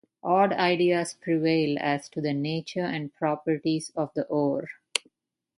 Odd ideas prevail as to the nature and properties of the ore.